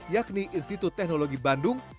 yakni institut teknologi bandung